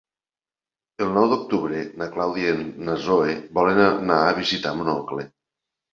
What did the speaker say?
El nou d'octubre na Clàudia i na Zoè volen anar a visitar mon oncle.